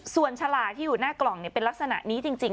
ส่วนฉลากที่อยู่หน้ากล่องเป็นลักษณะนี้จริง